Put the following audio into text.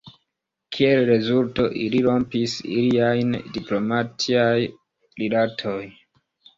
Kiel rezulto, ili rompis iliajn diplomatiaj rilatoj.